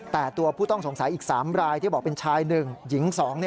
แต่ตัวผู้ต้องสงสัยอีก๓รายที่บอกเป็นชาย๑หญิง๒